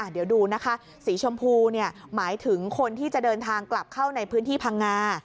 เดี๋ยวดูนะคะสีชมพูหมายถึงคนที่จะเดินทางกลับเข้าในพื้นที่พังงา